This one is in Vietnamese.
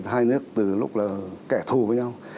hai nước từ lúc là kẻ thù với nhau